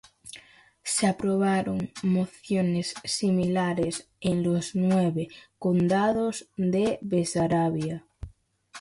Se aprobaron mociones similares en los nueve condados de Besarabia.